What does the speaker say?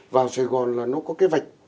vào sài gòn là nó có cái vạch